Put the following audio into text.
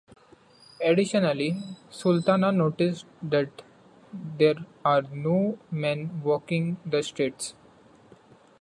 Additionally, Sultana notices that there are no men walking the streets.